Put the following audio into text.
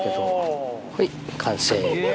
ほい完成。